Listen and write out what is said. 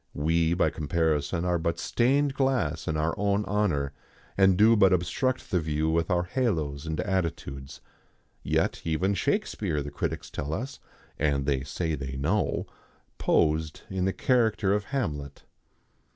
We by comparison are but stained glass in our own honour, and do but obstruct the view with our halos and attitudes. Yet even Shakespeare, the critics tell us and they say they know posed in the character of Hamlet.